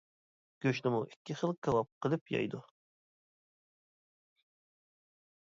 گۆشنىمۇ ئىككى خىل كاۋاپ قىلىپ يەيدۇ.